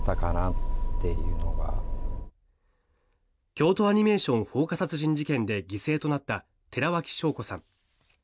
京都アニメーション放火殺人事件で犠牲となった寺脇晶子さん。